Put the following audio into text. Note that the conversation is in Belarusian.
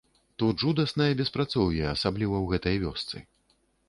Тут жудаснае беспрацоўе, асабліва ў гэтай вёсцы.